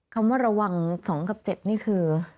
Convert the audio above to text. คำว่าระวัง๒กับ๗นี่คือ